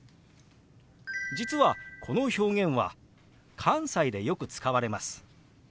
実はこの表現は関西でよく使われます。